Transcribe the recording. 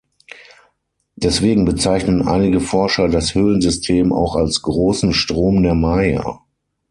Deswegen bezeichnen einige Forscher das Höhlensystem auch als „großen Strom der Maya“.